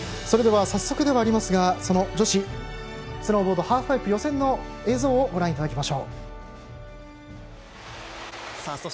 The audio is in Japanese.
それでは早速ではありますが女子スノーボードハーフパイプ予選の映像をご覧いただきましょう。